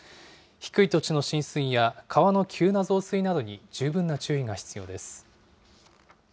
低い土地の浸水や川の急な増水などに十分な注意が必要です。